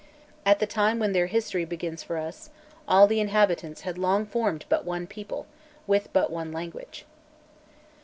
At the time when their history begins for us, all the inhabitants had long formed but one people, with but one language.